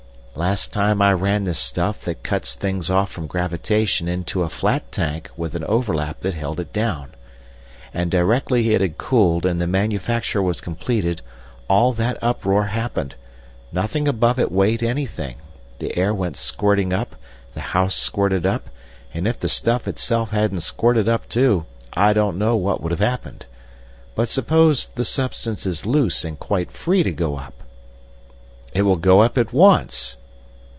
"Last time I ran this stuff that cuts things off from gravitation into a flat tank with an overlap that held it down. And directly it had cooled and the manufacture was completed all that uproar happened, nothing above it weighed anything, the air went squirting up, the house squirted up, and if the stuff itself hadn't squirted up too, I don't know what would have happened! But suppose the substance is loose, and quite free to go up?" "It will go up at once!"